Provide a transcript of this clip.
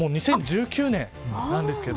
２０１９年です。